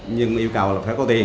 nhưng yêu cầu là phải có tiền